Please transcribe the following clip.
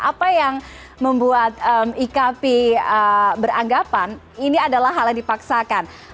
apa yang membuat ikp beranggapan ini adalah hal yang dipaksakan